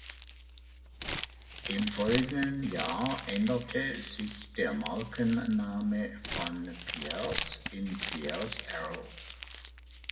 Im folgenden Jahr änderte sich der Markenname von "Pierce" in "Pierce-Arrow".